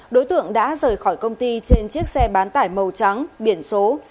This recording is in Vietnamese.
đối tượng đã rời khỏi công ty trên chiếc xe bán tải màu trắng biển số sáu mươi một c bốn mươi năm nghìn